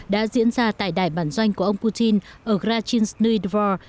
đã diễn ra tại đại bản doanh của ông putin ở grachynsny dvor